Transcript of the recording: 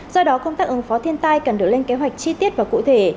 do đó công tác ứng phó thiên tai cần được lên kế hoạch chi tiết và cụ thể